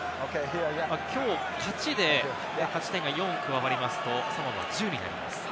きょう勝ちで勝ち点が４加わりますと、そのまま１０になります。